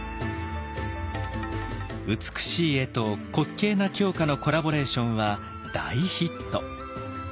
美しい絵と滑稽な狂歌のコラボレーションは大ヒット。